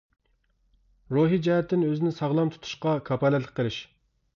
روھى جەھەتتىن ئۆزىنى ساغلام تۇتاشقا كاپالەتلىك قىلىش.